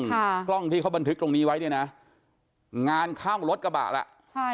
กล้องที่เขาบันทึกตรงนี้ไว้เนี่ยนะงานเข้ารถกระบะล่ะใช่